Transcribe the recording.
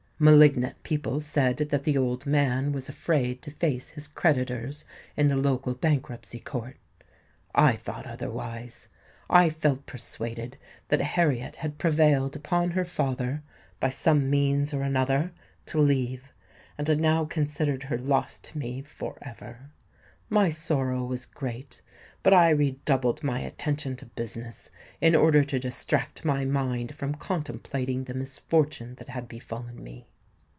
Malignant people said that the old man was afraid to face his creditors in the local Bankruptcy court: I thought otherwise. I felt persuaded that Harriet had prevailed upon her father, by some means or another, to leave;—and I now considered her lost to me for ever. My sorrow was great; but I redoubled my attention to business in order to distract my mind from contemplating the misfortune that had befallen me.